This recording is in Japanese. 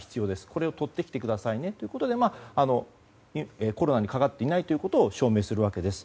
これをとってきてくださいねということでコロナにかかっていないということを証明するわけです。